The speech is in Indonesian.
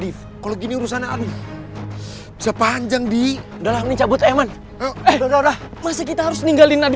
mulai suka aku sama temen kau ini